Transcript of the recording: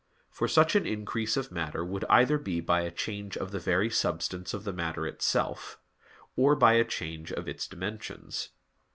For such an increase of matter would either be by a change of the very substance of the matter itself, or by a change of its dimensions.